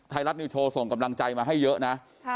ไทยรัฐนิวโชว์ส่งกำลังใจมาให้เยอะนะ